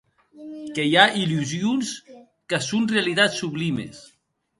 Que i a illusions que son realitats sublimes.